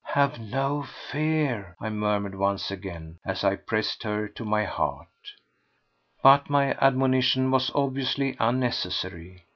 "Have no fear," I murmured once again, as I pressed her to my heart. But my admonition was obviously unnecessary.